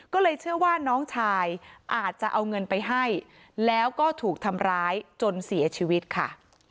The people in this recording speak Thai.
ก็เลยเชื่อว่าน้องชายอาจจะเอาเงินไปให้แล้วก็ถูกทำร้ายจนเสียชีวิตค่ะ